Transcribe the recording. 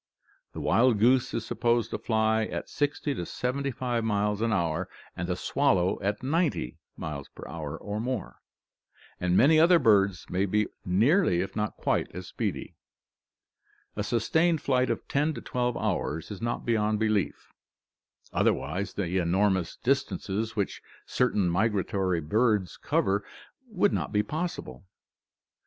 The wild goose is supposed to fly at 60 to 75 miles an hour and the swallow at 90 or more, and many other birds may be nearly if not quite as speedy. A sustained flight of ten to twelve hours is not beyond belief, otherwise the enormous distances which certain migratory birds cover would not be possible.